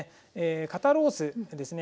肩ロースでですね